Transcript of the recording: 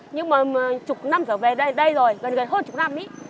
nhưng mà chục năm giờ về đây rồi gần gần hơn chục năm ý